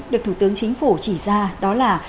được thủ tướng chính phủ chỉ ra đó là